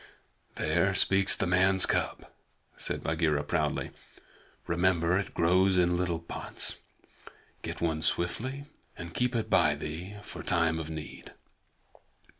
"There speaks the man's cub," said Bagheera proudly. "Remember that it grows in little pots. Get one swiftly, and keep it by thee for time of need."